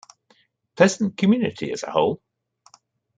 Pleasant community as a whole.